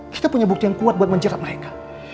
kita punya bukti yang kuat buat menjerat mereka